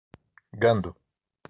Gandu